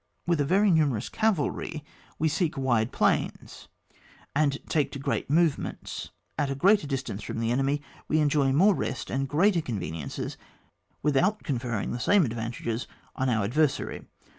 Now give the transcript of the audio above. "With a very numerous cavalry we seek wide plains, and take to great movements. At a greater distance from the enemy we enjoy more rest and greater conveniences without conferring the same advantages on our adversary.